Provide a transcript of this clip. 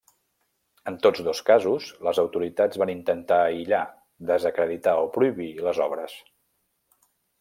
En tots dos casos, les autoritats van intentar aïllar, desacreditar o prohibir les obres.